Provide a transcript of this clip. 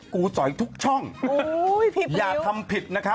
ต่อยทุกช่องอย่าทำผิดนะครับ